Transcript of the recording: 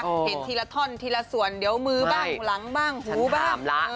เห็นทีละท่อนทีละส่วนเดี๋ยวมือบ้างหลังบ้างหูบ้าง